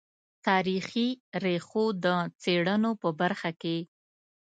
تاریخي ریښو د څېړلو په برخه کې.